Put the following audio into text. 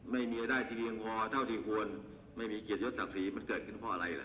ไม่มีรายได้ที่เพียงพอเท่าที่ควรไม่มีเกียรติยศศักดิ์ศรีมันเกิดขึ้นเพราะอะไรล่ะ